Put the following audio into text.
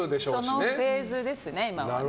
そのフェーズですね、今はね。